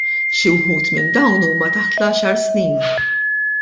Xi wħud minn dawn huma taħt l-għaxar snin.